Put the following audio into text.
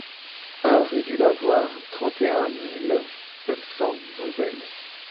un rUE DU LAVOIR, trente et un mille sept cents Beauzelle